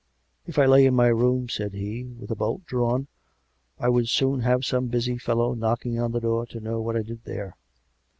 " If I lay in my room," said he, " with a bolt drawn, I would soon have some busy fellow knocking on the door to know what I did there.